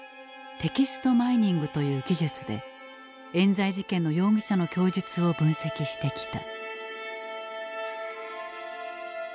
テキストマイニングという技術で冤罪事件の容疑者の供述を分析してきた。